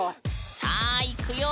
さあいくよ！